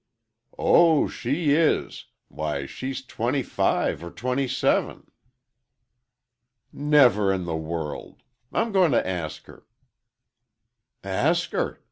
"Oh, she is! Why, she's twenty five or twenty seven!" "Never in the world! I'm going to ask her." "Ask her!"